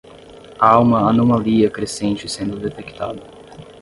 Há uma anomalia crescente sendo detectada